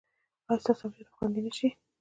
ایا ستاسو امنیت به خوندي نه شي؟